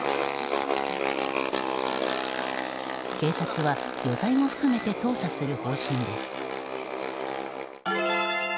警察は余罪も含めて捜査する方針です。